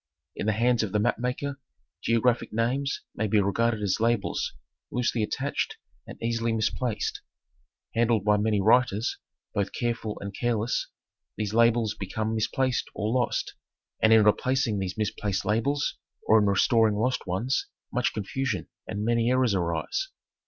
In the hands of the map maker geographic names may be regarded as labels loosely attached and easily misplaced. Handled by many writers, both careful and careless, these' labels become misplaced or lost ; and in replacing these misplaced labels or in restoring lost ones much confusion and many errors arise.